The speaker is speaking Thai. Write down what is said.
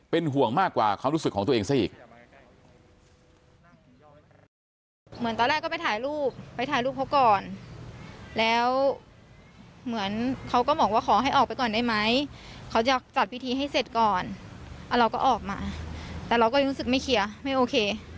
เป็นห่วงมากกว่าความรู้สึกของตัวเองซะอีก